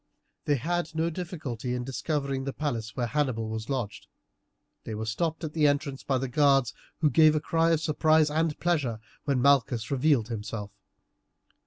They had no difficulty in discovering the palace where Hannibal was lodged. They were stopped at the entrance by the guards, who gave a cry of surprise and pleasure when Malchus revealed himself.